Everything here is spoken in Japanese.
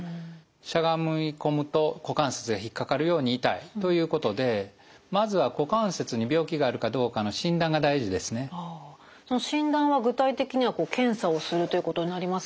しゃがみ込むと股関節が引っ掛かるように痛いということでその診断は具体的には検査をするということになりますか？